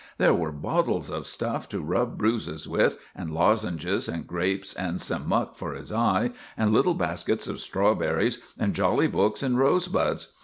There were bottles of stuff to rub bruises with, and lozenges and grapes, and some muck for his eye, and little baskets of strawberries, and jolly books and rosebuds.